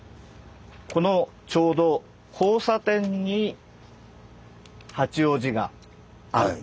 このちょうど交差点に八王子がある。